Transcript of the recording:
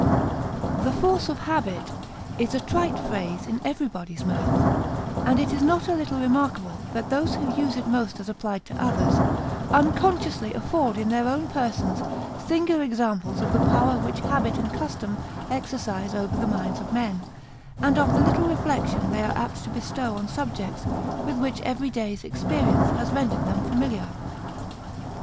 " THE force of habit " is a trite phrase in everybody's mouth ; and it is not a little remarkable that those who use it most as applied to others, unconsciously afford in their own persons singular examples of the power which habit and custom exercise over the minds of men, and of the little reflection they are apt to bestow on subjects with which every day's experience has rendered them familiar.